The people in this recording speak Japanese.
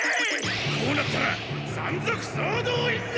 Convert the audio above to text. こうなったら山賊総動員だ！